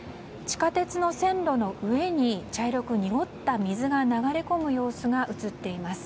地下鉄の線路の上に茶色く濁った水が流れ込む様子が映っています。